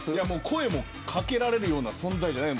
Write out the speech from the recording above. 声を掛けられるような存在じゃない。